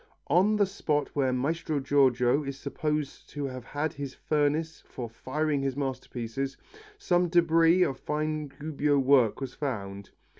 On the spot where Maestro Giorgio is supposed to have had his furnace for firing his masterpieces, some debris of fine Gubbio work was found.